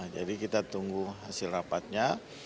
jadi kita tunggu hasil rapatnya